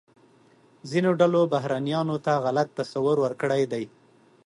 ځینو ډلو بهرنیانو ته غلط تصور ورکړی دی.